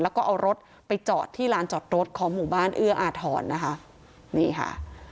แล้วก็เอารถไปจอดที่ลานจอดรถของหมู่บ้านเอื้ออาทรนะคะนี่ค่ะ